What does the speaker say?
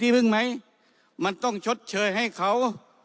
เพื่อให้เขา